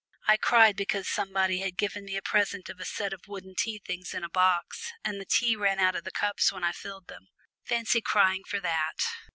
I cried because somebody had given me a present of a set of wooden tea things in a box, and the tea ran out of the cups when I filled them! Fancy crying for that!"